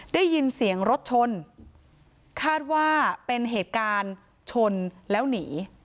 ได้ยินเสียงรถชนคาดว่าเป็นเหตุการณ์ชนแล้วหนี